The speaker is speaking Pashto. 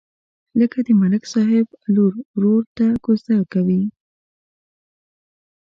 لکه د ملک صاحب لور ورور ته کوزده کوي.